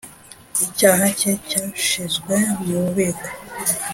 icyaha cye cyashyizwe mu bubiko.